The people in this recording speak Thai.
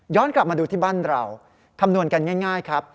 กลับมาดูที่บ้านเราคำนวณกันง่ายครับ